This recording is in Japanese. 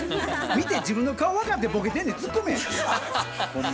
見て自分の顔分かってボケてんねん。